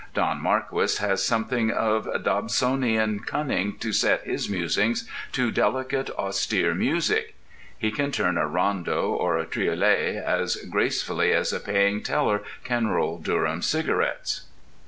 Don Marquis has something of Dobsonian cunning to set his musings to delicate, austere music. He can turn a rondeau or a triolet as gracefully as a paying teller can roll Durham cigarettes.